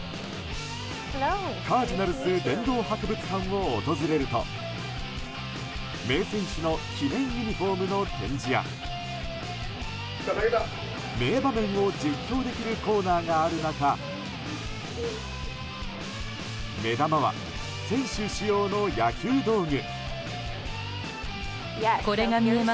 カージナルス殿堂博物館を訪れると名選手の記念ユニホームの展示や名場面を実況できるコーナーがある中目玉は選手使用の野球道具。